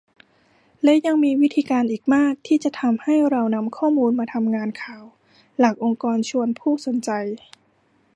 และยังมีวิธีการอีกมากที่จะให้เรานำข้อมูลมาทำงานข่าว หลากองค์กรชวนผู้สนใจ